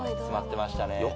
詰まってましたね。